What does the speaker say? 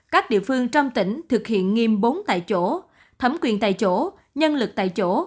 các địa phương trong tỉnh thực hiện nghiêm bốn tại chỗ thấm quyền tại chỗ nhân lực tại chỗ